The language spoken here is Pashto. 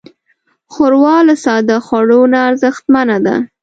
ښوروا له ساده خوړو نه ارزښتمنه ده.